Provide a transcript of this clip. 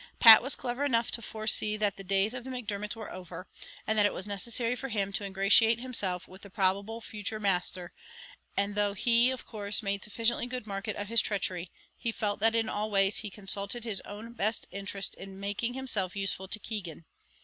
Pat was clever enough to foresee that the days of the Macdermots were over, and that it was necessary for him to ingratiate himself with the probable future "masther;" and though he, of course, made sufficiently good market of his treachery, he felt that in all ways he consulted his own interest best in making himself useful to Keegan.